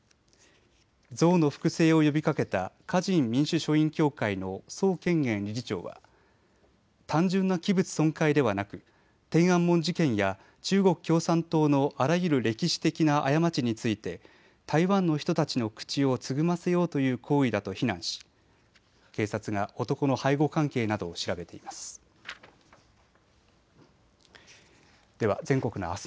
像の複製を呼びかけた華人民主書院協会の曽建元理事長は単純な器物損壊ではなく天安門事件や中国共産党のあらゆる歴史的な過ちについて台湾の人たちの口をつぐませようという行為だと非難し警察が男の背後関係などを調べています。